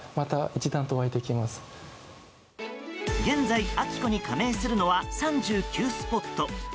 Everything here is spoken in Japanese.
現在、アキコに加盟するのは３９スポット。